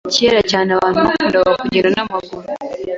Kera cyane, abantu bakundaga kugenda n'amaguru.